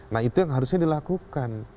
nah itu yang harusnya dilakukan